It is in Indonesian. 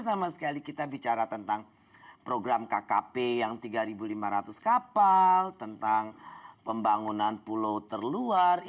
sama sekali kita bicara tentang program kkp yang tiga lima ratus kapal tentang pembangunan pulau terluar